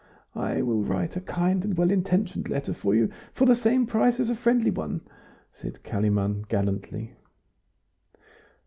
"I will write a kind and well intentioned letter for you for the same price as a friendly one," said Kalimann, gallantly.